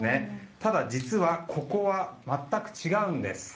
ただ、実はここは全く違うんです。